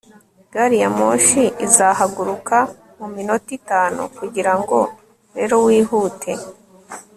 gari ya moshi izahaguruka mu minota itanu kugirango rero wihute